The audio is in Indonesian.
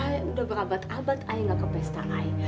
udah berabad abad i gak ke pesta i